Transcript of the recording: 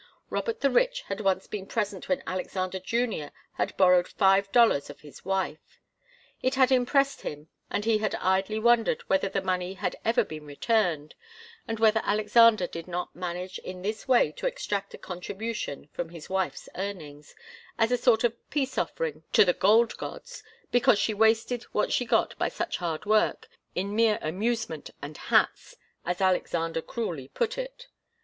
Robert the Rich had once been present when Alexander Junior had borrowed five dollars of his wife. It had impressed him, and he had idly wondered whether the money had ever been returned, and whether Alexander did not manage in this way to extract a contribution from his wife's earnings, as a sort of peace offering to the gold gods, because she wasted what she got by such hard work, in mere amusement and hats, as Alexander cruelly put it.